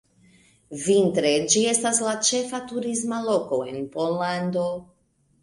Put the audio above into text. Vintre, ĝi estas la ĉefa turisma loko en Pollando.